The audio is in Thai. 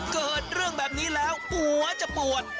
เกิดเรื่องแบบนี้แล้วหัวจะปวด